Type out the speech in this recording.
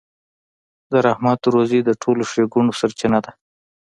د زحمت روزي د ټولو ښېګڼو سرچينه ده.